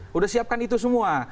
sudah siapkan itu semua